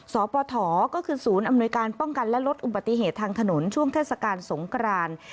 สปฐก็คือศูนย์อำนวยการป้องกันและลดอุบัติเหตุทางถนนช่วงเทศกาลสงคราน